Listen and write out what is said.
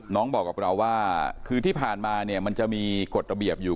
บอกกับเราว่าคือที่ผ่านมาเนี่ยมันจะมีกฎระเบียบอยู่